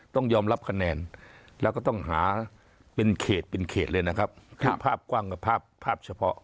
ต้องยอมรับคะแนนแล้วก็ต้องเป็นเขตของภาพกว้างกับภาพเฉพาะ